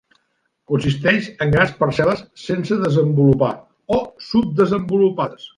Consisteix en grans parcel·les sense desenvolupar o subdesenvolupades.